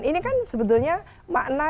ini kan sebetulnya makna